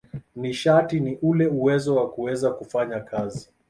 Nishati ni ule uwezo wa kuweza kufanya kazi.